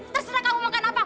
terserah kamu makan apa